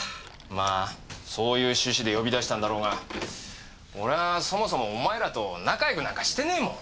まあそういう主旨で呼び出したんだろうが俺はそもそもお前らと仲良くなんかしてねえもん。